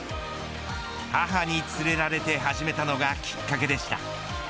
母に連れられて始めたのがきっかけでした。